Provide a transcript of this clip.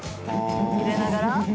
揺れながら？